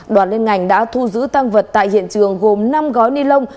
đoàn liên ngành đã thu giữ tăng vật tại hiện trường gồm năm gói ni lông